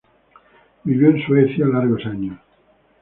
Vivió en Suecia largos años.